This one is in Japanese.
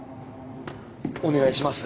お願いします